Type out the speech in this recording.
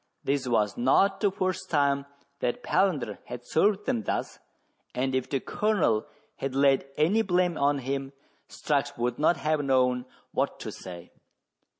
This was not the first time that Palander had served them thus, and if the Colonel had laid any blame on him, Strux would not have known what to say.